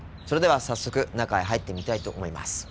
それでは早速中へ入ってみたいと思います。